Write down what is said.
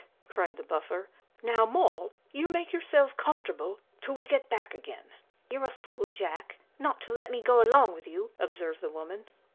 cried the Buffer. "Now, Moll, you make yourself comfortable till we get back again." "You're a fool, Jack, not to let me go along with you," observed the woman.